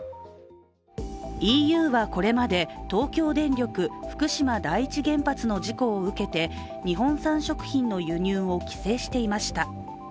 ＥＵはこれまで東京電力福島第一原発の事故を受けて、日本産食品の輸入を規制していました。